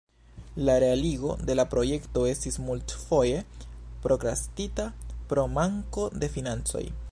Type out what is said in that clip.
La realigo de la projekto estis multfoje prokrastita pro manko de financoj.